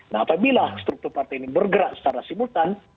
nah apabila struktur partai ini bergerak secara simultan